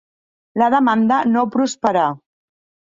La demanda no prosperà.